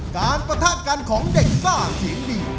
การประทาการของเด็กซ่าเทียมดี